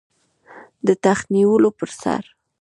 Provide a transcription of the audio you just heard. د تخت نیولو پر سر.